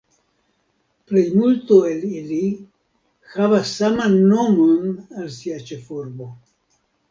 Plejmulto el ili havas saman nomon al sia ĉefurbo.